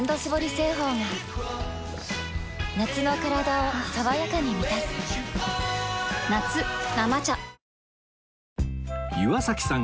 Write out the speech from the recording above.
製法が夏のカラダを爽やかに満たす夏「生茶」岩崎さん